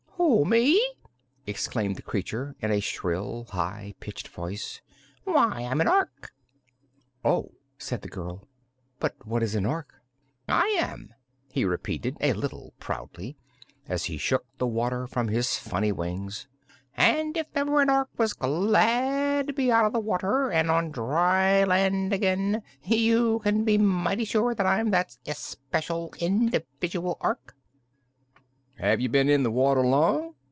"Who, me?" exclaimed the creature in a shrill, high pitched voice. "Why, I'm an Ork." "Oh!" said the girl. "But what is an Ork?" "I am," he repeated, a little proudly, as he shook the water from his funny wings; "and if ever an Ork was glad to be out of the water and on dry land again, you can be mighty sure that I'm that especial, individual Ork!" "Have you been in the water long?"